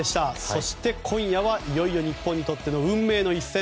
そして今夜はいよいよ日本にとっての運命の一戦